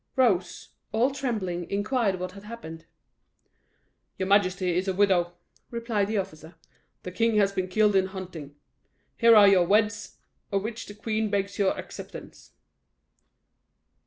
Rose, all trembling, inquired what had happened. "Your majesty is a widow," replied the officer; "the king has been killed in hunting; here are your weeds, of which the queen begs your acceptance."